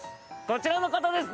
こちらの方です